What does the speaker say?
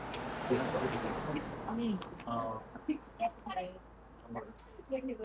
Congressman William Lowndes, the son of Rawlins Lowndes, an early South Carolina governor.